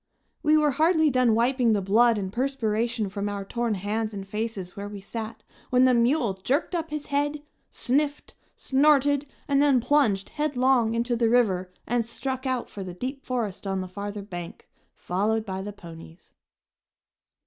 We were hardly done wiping the blood and perspiration from our torn hands and faces where we sat when the mule jerked up his head, sniffed, snorted and then plunged headlong into the river and struck out for the deep forest on the farther bank, followed by the ponies.